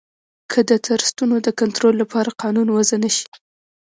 که د ټرسټونو د کنترول لپاره قانون وضعه نه شي.